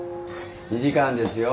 ２時間ですよ。